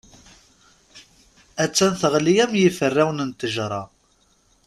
A-tt-an teɣli am yifrawen n ccejra.